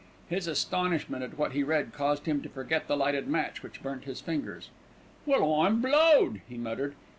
His astonishment at what he read caused him to forget the lighted match, which burnt his fingers. "Well, I'm blowed!" he muttered.